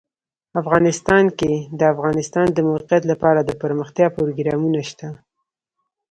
افغانستان کې د د افغانستان د موقعیت لپاره دپرمختیا پروګرامونه شته.